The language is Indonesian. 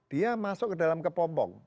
dia masuk ke dalam kepombong